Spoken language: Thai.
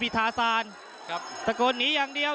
มีวิทาซานสะโกนหนีอย่างเดียว